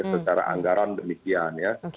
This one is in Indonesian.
secara anggaran demikian ya